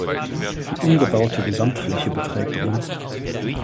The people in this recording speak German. Die umgebaute Gesamtfläche beträgt rd.